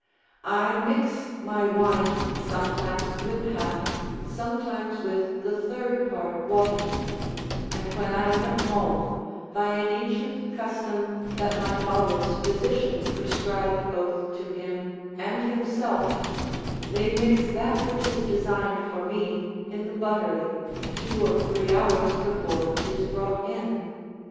I mix my wine sometimes with half, sometimes with the third part water; and when I am at home, by an ancient custom that my father's physician prescribed both to him and himself, they mix that which is designed for me in the buttery, two or three hours before 'tis brought in.